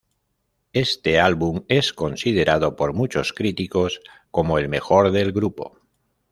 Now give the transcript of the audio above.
Este álbum es considerado por muchos críticos como el mejor del grupo.